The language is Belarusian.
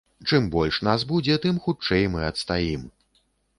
Чым больш нас будзе, тым хутчэй мы адстаім!